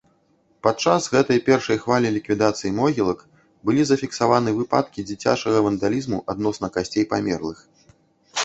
Падчас гэтай першай хвалі ліквідацыі могілак былі зафіксаваны выпадкі дзіцячага вандалізму адносна касцей памерлых.